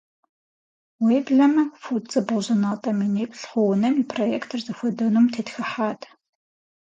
Уеблэмэ фут зэбгъузэнатӏэ миниплӏ хъу унэм и проектыр зыхуэдэнум тетхыхьат.